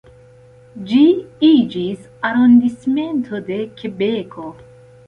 Ĝi iĝis arondismento de Kebeko.